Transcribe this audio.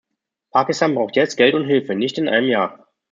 Pakistan braucht jetzt Geld und Hilfe nicht in einem Jahr.